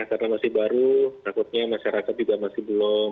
karena masih baru takutnya masyarakat juga masih belum